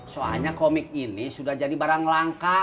soalnya komik ini sudah jadi barang langka